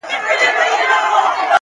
د کاغذ پرې کېدل تل یو ناڅاپي غږ لري.